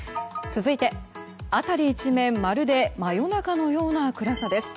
続いて、辺り一面まるで真夜中のような暗さです。